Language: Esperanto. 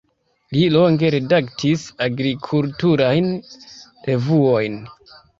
Li longe redaktis agrikulturajn revuojn.